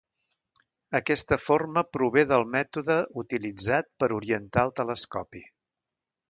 Aquesta forma prové del mètode utilitzat per orientar el telescopi.